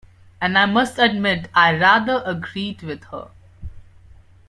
And I must admit I rather agreed with her.